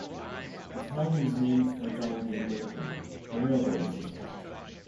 The town was named for John D. Milliken, a railroad official.